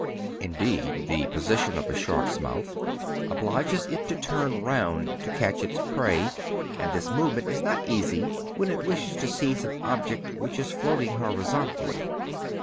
Indeed, the position of a shark's mouth obliges it to turn round to snatch its prey ; and this movement is not easy when it wishes to seize an object which is floating horizontally.